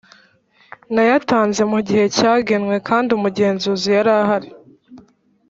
nayatanze mu gihe cyagenwe kandi umugenzuzi yarahari